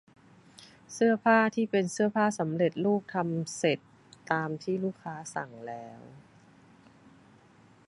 เสื้อผ้าที่เป็นเสื้อผ้าสำเร็จรูปทำเสร็จตามที่ลูกค้าสั่งแล้ว